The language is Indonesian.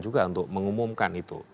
juga untuk mengumumkan itu